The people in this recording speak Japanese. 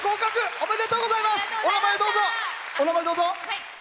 お名前どうぞ。